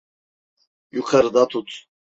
Yukarıda tut.